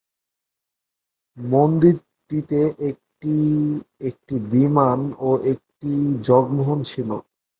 মন্দিরটিতে একটি একটি বিমান ও একটি জগমোহন ছিলো।